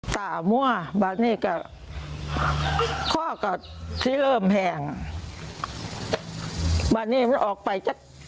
ต่ำว่าบานนี้ก็ข้อก็ที่เริ่มแห่งบานนี้มันออกไปจั๊ะ